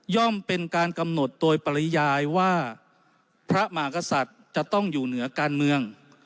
่อมเป็นการกำหนดโดยปริยายว่าพระมากษัตริย์จะต้องอยู่เหนือการเมือง